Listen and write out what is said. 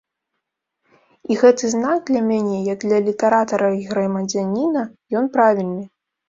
І гэты знак для мяне, як для літаратара й грамадзяніна, ён правільны.